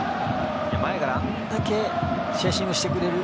前があれだけチェイシングしてくれると。